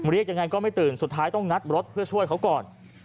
เรียกยังไงก็ไม่ตื่นสุดท้ายต้องงัดรถเพื่อช่วยเขาก่อน